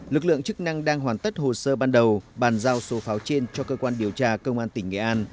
lực lượng chức năng đang hoàn tất hồ sơ ban đầu bàn giao số pháo trên cho cơ quan điều tra công an tỉnh nghệ an